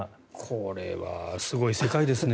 これはすごい世界ですね。